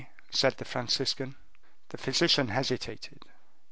said the Franciscan. The physician hesitated.